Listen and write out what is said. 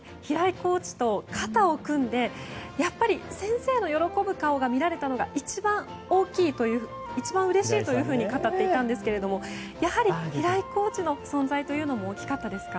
コーチと肩を組んでやっぱり先生の喜ぶ顔が見られたのが一番うれしいと語っていたんですがやはり平井コーチの存在も大きかったですか？